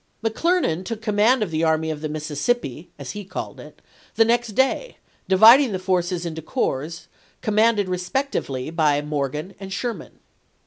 McClernand took command of the Army of the Mississippi, as he called it, the next day, dividing the forces into corps, commanded respectively by Morgan and Sherman.